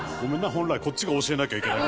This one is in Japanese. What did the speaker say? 本来こっちが教えなきゃいけない。